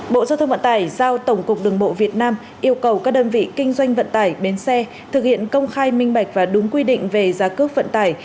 bộ giao thông vận tải giao tổng cục đường bộ việt nam yêu cầu các đơn vị kinh doanh vận tải bến xe thực hiện công khai minh bạch và đúng quy định về giá cước vận tải